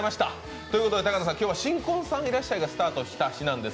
ということで、今日は「新婚さんいらっしゃい！」がスタートした日なんです。